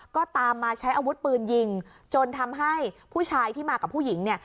ก็ตามมาใช้อาวุธปืนยิงจนทำให้ผู้ชายที่มากับผู้หญิงเนี่ย